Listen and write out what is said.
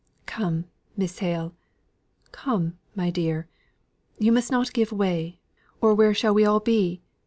"Come, Miss Hale come, my dear! You must not give way, or where shall we all be?